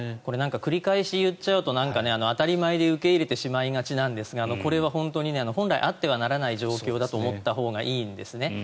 繰り返し言っちゃうと当たり前で受け入れてしまいがちなんですがこれは本当に本来あってはならない状況だと思ったほうがいいんですね。